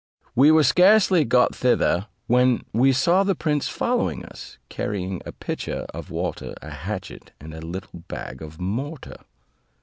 We were scarcely got thither, when we saw the prince following us, carrying a pitcher of water, a hatchet, and a little bag of mortar.